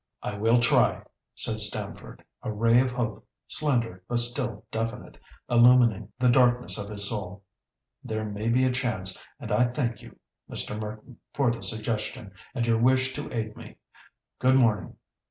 "I will try," said Stamford, a ray of hope, slender but still definite, illumining the darkness of his soul. "There may be a chance, and I thank you, Mr. Merton, for the suggestion, and your wish to aid me. Good morning!"